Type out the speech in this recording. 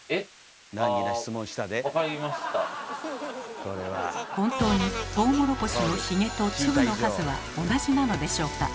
あ本当にトウモロコシのヒゲと粒の数は同じなのでしょうか？